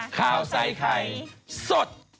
ข้าวใส่ไข่สด